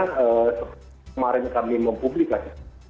kemarin kami mempublikasikan